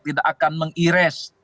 tidak akan meng irase